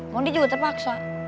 mondi juga terpaksa